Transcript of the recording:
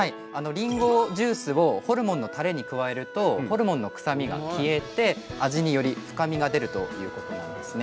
りんごジュースをホルモンのたれに加えるとホルモンの臭みが消えて味により深みが出るということなんですね。